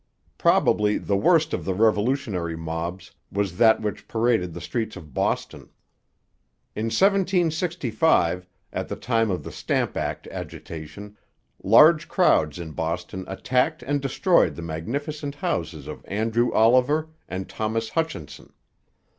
Probably the worst of the revolutionary mobs was that which paraded the streets of Boston. In 1765, at the time of the Stamp Act agitation, large crowds in Boston attacked and destroyed the magnificent houses of Andrew Oliver and Thomas Hutchinson.